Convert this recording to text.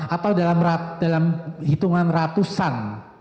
atau dalam hitungan ratusan